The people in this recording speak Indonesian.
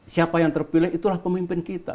siapa yang terpilih itulah pemimpin kita